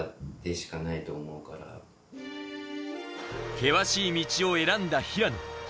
険しい道を選んだ平野。